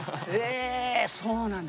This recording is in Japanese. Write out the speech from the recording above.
えそうなんだ。